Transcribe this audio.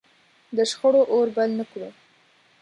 د شخړو اور بل نه کړو.